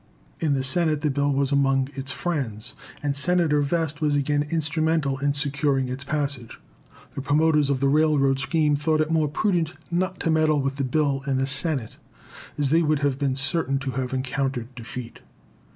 In the Senate the bill was among its friends, and Senator Vest was again instrumental in securing its passage. The promoters of the railroad scheme thought it more prudent not to meddle with the bill in the Senate, as they would have been certain to have encountered defeat.